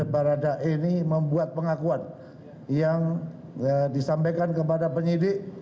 barada e ini membuat pengakuan yang disampaikan kepada penyidik